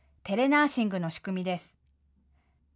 テレナーシングの仕組みです。